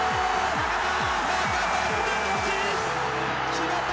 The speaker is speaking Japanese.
決めた！